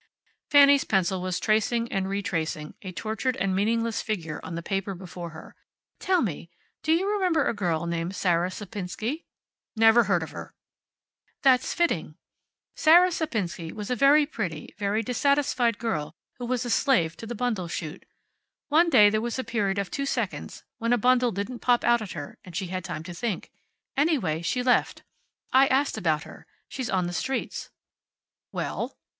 Fanny's pencil was tracing and retracing a tortured and meaningless figure on the paper before her. "Tell me, do you remember a girl named Sarah Sapinsky?" "Never heard of her." "That's fitting. Sarah Sapinsky was a very pretty, very dissatisfied girl who was a slave to the bundle chute. One day there was a period of two seconds when a bundle didn't pop out at her, and she had time to think. Anyway, she left. I asked about her. She's on the streets." "Well?"